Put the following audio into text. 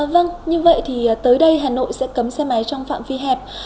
vâng như vậy thì tới đây hà nội sẽ cấm xe máy trong phạm vi hẹp